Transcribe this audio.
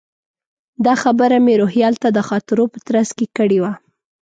دا خبره مې روهیال ته د خاطرو په ترڅ کې کړې وه.